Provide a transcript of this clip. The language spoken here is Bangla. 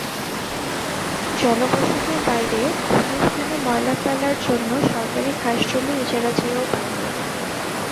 জনবসতির বাইরে কোনো স্থানে ময়লা ফেলার জন্য সরকারি খাসজমি ইজারা চেয়েও পাইনি।